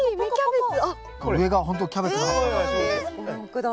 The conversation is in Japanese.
上がほんとキャベツの葉っぱだ。